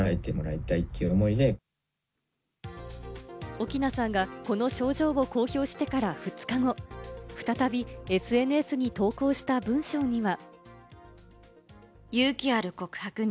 奥菜さんがこの症状を公表してから２日後、再びＳＮＳに投稿した文章には。